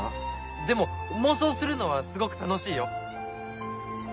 でも妄想するのはすごく楽しいよ。